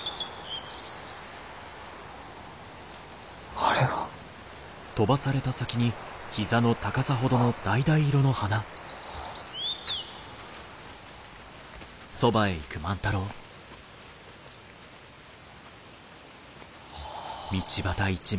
あれは。はあ。